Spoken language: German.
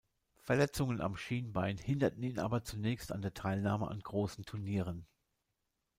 Verletzungen am Schienbein hinderten ihn aber zunächst an der Teilnahme an großen Turnieren.